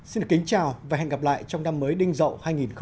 xin được kính chào và hẹn gặp lại trong năm mới đinh dậu hai nghìn một mươi bảy